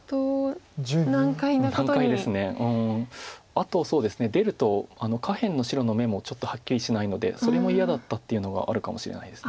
あと出ると下辺の白の眼もちょっとはっきりしないのでそれも嫌だったっていうのがあるかもしれないです